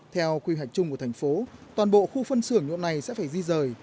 theo quy hoạch chung của thành phố toàn bộ khu phân xưởng nhuộm này sẽ phải di rời